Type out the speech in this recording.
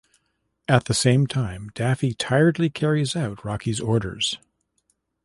At the same time, Daffy tiredly carries out Rocky's orders.